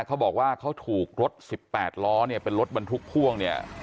เขาบอกว่าเขาถูกรถสิบแปดล้อเนี่ยเป็นรถบรรทุกพ่วงเนี่ย